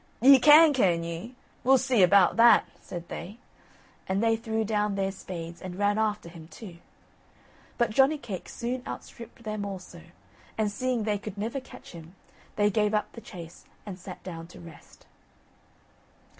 "Ye can, can ye? we'll see about that!" said they; and they threw down their spades, and ran after him too. But Johnny cake soon outstripped them also, and seeing they could never catch him, they gave up the chase and sat down to rest.